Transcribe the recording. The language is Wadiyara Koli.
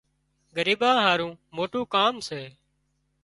ڳريٻان هارو موٽُون ڪام سي